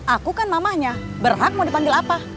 aku kan mamahnya berhak mau dipanggil apa